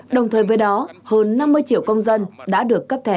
đồng thời với đó hơn năm mươi triệu công dân đã được cấp thẻ